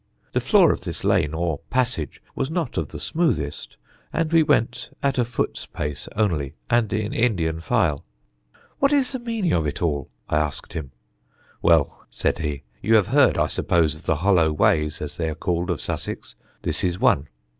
The floor of this lane or passage was not of the smoothest, and we went at a foot's pace only, and in Indian file. "What is the meaning of it all?" I asked him. [Sidenote: THE HOLLOW WAYS] "Well," said he, "you have heard, I suppose, of the 'hollow ways,' as they are called, of Sussex. This is one.